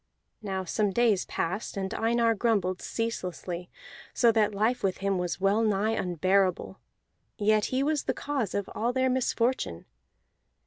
Now some days passed, and Einar grumbled ceaselessly, so that life with him was well nigh unbearable; yet he was the cause of all their misfortune.